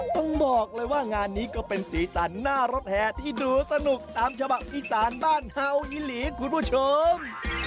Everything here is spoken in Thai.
ต้องบอกเลยว่างานนี้ก็เป็นสีสันหน้ารถแห่ที่ดูสนุกตามฉบับอีสานบ้านเฮาวอีหลีคุณผู้ชม